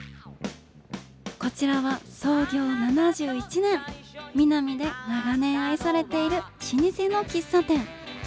こちらは創業７１年ミナミで長年愛されている老舗の喫茶店。